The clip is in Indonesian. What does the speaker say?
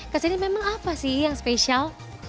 ke sini memang apa sih yang spesial